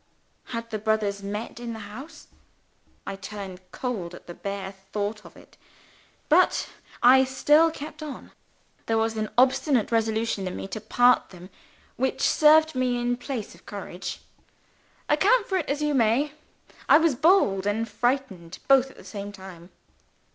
Had the brothers met in the house? I turned cold at the bare thought of it but I still kept on. There was an obstinate resolution in me to part them, which served me in place of courage. Account for it as you may, I was bold and frightened both at the same time.